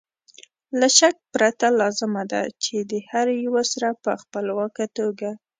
له شک پرته لازمه ده چې د هر یو سره په خپلواکه توګه